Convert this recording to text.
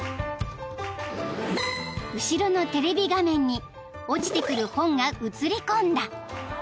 ［後ろのテレビ画面に落ちてくる本が映り込んだ］